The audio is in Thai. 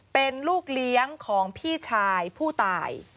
เป็นลูกเลี้ยงของพี่ชายผู้ตาย